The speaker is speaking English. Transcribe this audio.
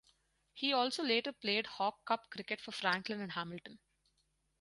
He also later played Hawke Cup cricket for Franklin and Hamilton.